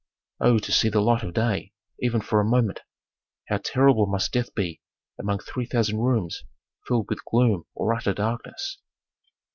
"Oh to see the light of day, even for a moment! How terrible must death be among three thousand rooms filled with gloom or utter darkness!"